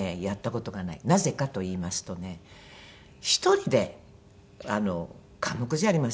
なぜかといいますとね１人で寡黙じゃありませんか。